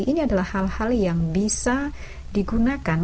ini adalah hal hal yang bisa digunakan